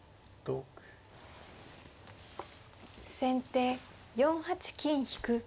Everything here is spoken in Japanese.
先手４八金引。